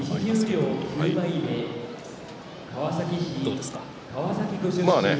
若碇、どうですか。